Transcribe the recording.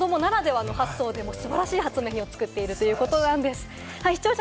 今特集するのも子どもならではの発想の素晴らしい発明品を作っているということなんです。